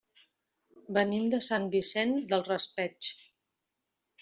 Venim de Sant Vicent del Raspeig.